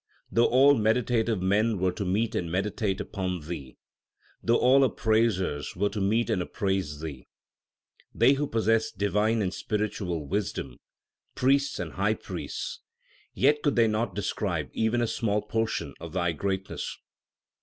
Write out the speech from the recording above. Though all meditative men were to meet and meditate upon Thee, Though all appraisers were to meet and appraise Thee They who possess divine and spiritual wisdom, priests, and high priests 3 Yet could they not describe even a small portion of Thy greatness.